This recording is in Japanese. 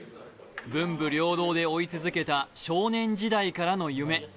文武両道で追い続けた少年時代からの夢。